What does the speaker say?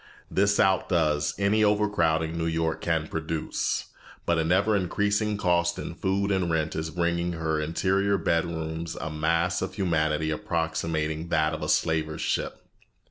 This outdoes any overcrowding New York can produce, but an ever increasing cost in food and rent is bringing into her interior bedrooms a mass of humanity approximating that of the slaver's ship.